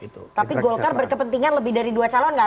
tapi golkar berkepentingan lebih dari dua calon nggak